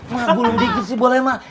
mak gulung dikit sih boleh mak